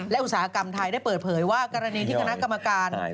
และอุตสาหกรรมไทยได้เปิดเผยว่ากรณีที่คณะกรรมการ